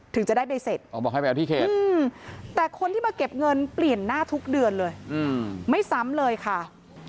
ถึงจะได้ใบเสร็จแต่คนที่มาเก็บเงินเปลี่ยนหน้าทุกเดือนเลยไม่ซ้ำเลยค่ะ